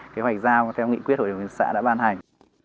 kế hoạch giao theo nghị quyết hội đồng nhân xã đã ban hành